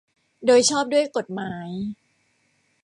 โดยชอบด้วยกฎหมาย